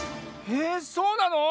へえそうなの？